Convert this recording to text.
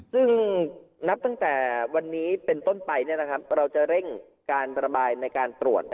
ซึ่งนับตั้งแต่วันนี้เป็นต้นไปเราจะเร่งการระบายในการตรวจ